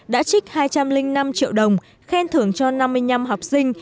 đã trích hai trăm linh năm triệu đồng khen thưởng cho năm mươi năm học sinh